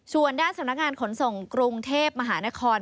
ส่วนด้านสำนักงานขนส่งกรุงเทพมหานคร